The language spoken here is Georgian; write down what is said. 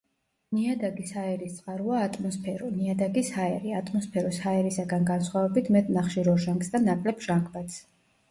ნიადაგის ჰაერის წყაროა ატმოსფერო, ნიადაგის ჰაერი, ატმოსფეროს ჰაერისაგან განსხვავებით მეტ ნახშირორჟანგს და ნაკლებ ჟანგბადს.